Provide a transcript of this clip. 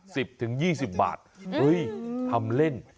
สิบถึงยี่สิบบาทเฮ้ยทำเล่น